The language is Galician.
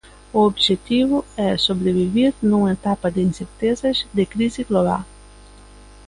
O obxectivo é sobrevivir nunha etapa de incertezas, de crise global.